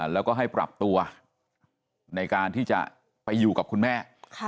แล้วก็ให้ปรับตัวในการที่จะไปอยู่กับคุณแม่